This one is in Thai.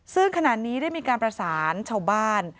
ซึ่งขณะนี้ได้มีการประสานชาวบ้าน